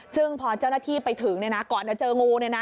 ซึ่งพอเจ้าหน้าที่ไปถึงก่อนจะเจองู